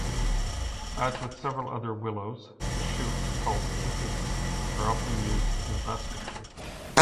As with several other willows, the shoots, called withies, are often used in basketry.